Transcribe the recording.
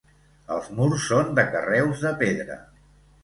Els murs són de carreus de pedra.